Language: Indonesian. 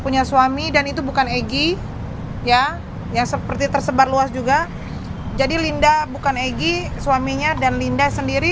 punya suami dan itu bukan egy ya yang seperti tersebar luas juga jadi linda bukan egy suaminya dan linda sendiri